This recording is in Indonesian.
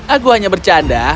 aku hanya bercanda